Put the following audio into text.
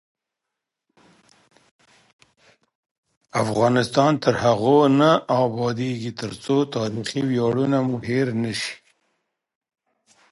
افغانستان تر هغو نه ابادیږي، ترڅو تاریخي ویاړونه مو هیر نشي.